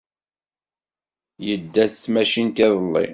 Yedda d tmacint iḍelli.